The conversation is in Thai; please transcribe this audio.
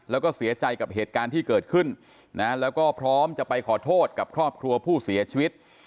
แล้วก็เสียใจกับเหตุการณ์ที่เกิดขึ้นนะแล้วก็พร้อมจะไปขอโทษกับครอบครัวผู้เสียชีวิต